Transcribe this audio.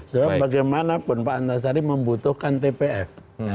sebab bagaimanapun pak antasari membutuhkan tpf